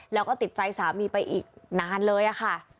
แล้วก็ติดใจสามีไปอีกนานเลยค่ะ